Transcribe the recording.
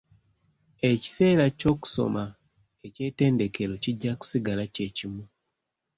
Ekiseera ky'okusoma eky'ettendekero kijja kusigala kye kimu.